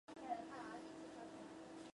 威斯维克亦是车路士的支持者。